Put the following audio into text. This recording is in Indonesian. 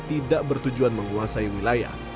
tidak bertujuan menguasai wilayah